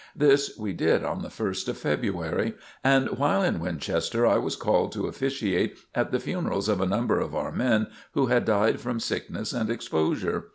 This we did on the 1st of February, and while in Winchester I was called to officiate at the funerals of a number of our men who had died from sickness and exposure.